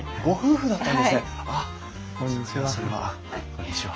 こんにちは。